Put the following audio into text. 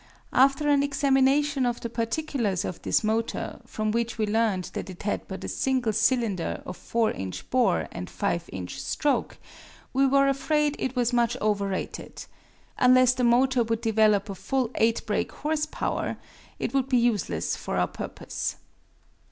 After an examination of the particulars of this motor, from which we learned that it had but a single cylinder of 4 inch bore and 5 inch stroke, we were afraid it was much over rated. Unless the motor would develop a full 8 brake horsepower, it would be useless for our purpose.